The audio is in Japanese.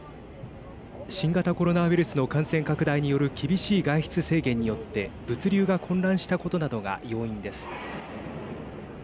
新型コロナウイルスの感染拡大による厳しい外出制限によって物流が混乱したことなどが要因です。